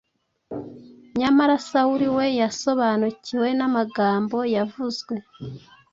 Nyamara Sawuli we yasobanukiwe n’amagambo yavuzwe